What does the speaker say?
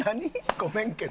ごめんけど。